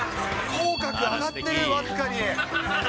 口角上がってる、僅かに。